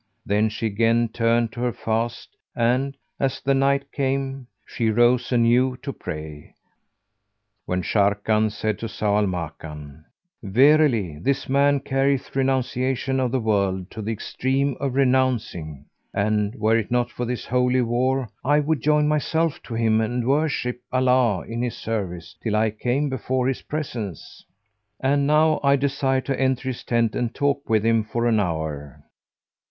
Then she again turned to her fast and, as the night came, she rose anew to pray; when Sharrkan said to Zau al Makan, "Verily, this man carrieth renunciation of the world to the extreme of renouncing, and, were it not for this Holy War, I would join myself to him and worship Allah in his service, till I came before His presence. And now I desire to enter his tent and talk with him for an hour."